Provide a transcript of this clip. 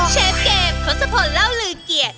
เชฟเกมทศพลเล่าลือเกียรติ